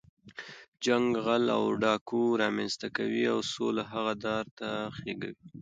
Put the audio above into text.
جنګ غل او ډاګو رامنځ ته کوي، او سوله هغه دار ته خېږوي.